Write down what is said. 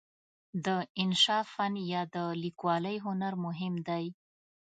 د انشأ فن یا د لیکوالۍ هنر مهم دی.